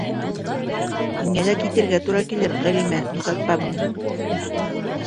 Һиңә лә китергә тура килер, Ғәлимә Мөхәрпәмовна.